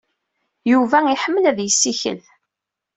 Yuba iḥemmel ad yessikel.